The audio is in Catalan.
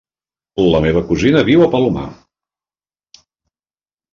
La meva cosina viu al Palomar.